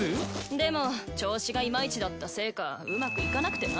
でも調子がいまいちだったせいかうまくいかなくてな。